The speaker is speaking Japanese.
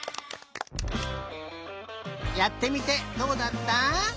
やってみてどうだった？